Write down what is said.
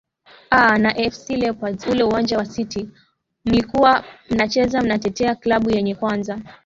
aa na afc leopards ule uwanja wa city mlikuwa mnacheza mnatetea klabu yenu kwanza